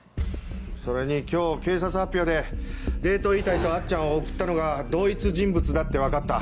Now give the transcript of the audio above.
それに今日警察発表で冷凍遺体とあっちゃんを送ったのが同一人物だって分かった。